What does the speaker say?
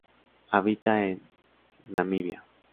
Habita en Namibia.